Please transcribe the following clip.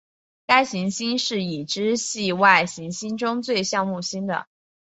该行星是已知系外行星中最像木星的。